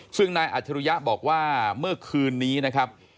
ซึ่งนายอัจฉริยะบอกว่าเมื่อคืนนี้นะครับ